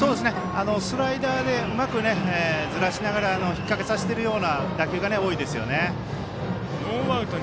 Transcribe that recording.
スライダーでうまくずらしながら引っ掛けさせているような打球が多いですよね。